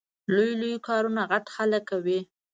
لوی لوی کارونه غټ خلګ کوي